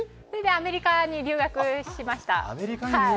アメリカに留学しました。